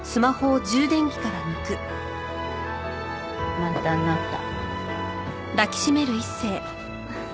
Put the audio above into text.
満タンになった。